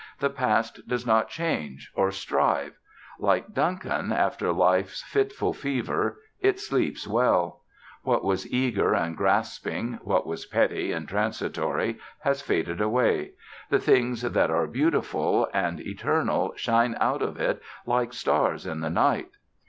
The Past does not change or strive; like Duncan, after life's fitful fever it sleeps well; what was eager and grasping, what was petty and transitory, has faded away, the things that were beautiful and eternal shine out of it like stars in the night.